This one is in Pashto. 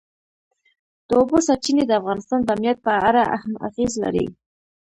د اوبو سرچینې د افغانستان د امنیت په اړه هم اغېز لري.